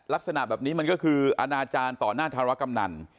ลักษณะแบบนี้มันก็คืออนาจารย์ต่อหน้าธารกำนัน